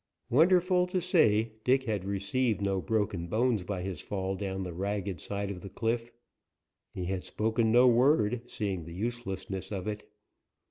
Wonderful to say, Dick had received no broken bones by his fall down the ragged side of the cliff. He had spoken no word, seeing the uselessness of it.